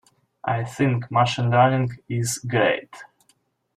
I think Machine Learning is great.